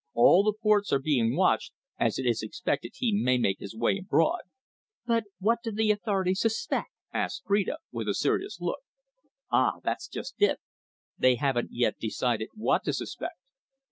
All the ports are being watched, as it is expected he may make his way abroad." "But what do the authorities suspect?" asked Phrida, with a serious look. "Ah, that's just it! They haven't yet decided what to suspect."